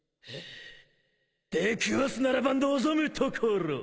出くわすならば望むところ！